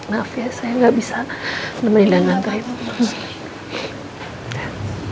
maaf ya saya gak bisa nemenin dan ngantain